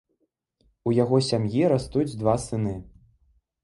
У яго сям'і растуць два сыны.